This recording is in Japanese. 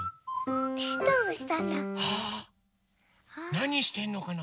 なにしてんのかな？